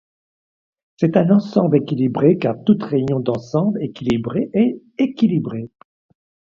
C'est un ensemble équilibré car toute réunion d'ensembles équilibrés est équilibrée.